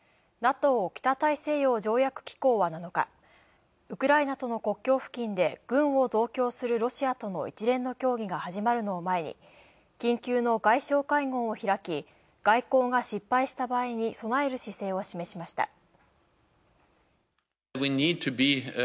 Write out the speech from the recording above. ＮＡＴＯ＝北大西洋条約機構は７日、ウクライナとの国境付近で軍を増強するロシアとの一連の協議が始まるのを前に緊急の外相会合を開き、外交が失敗した場合に備える姿勢を示しました。